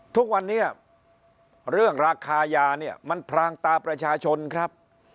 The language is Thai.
ทุกวันนี้เรื่องราคายาเนี่ยมันพรางตาประชาชนครับ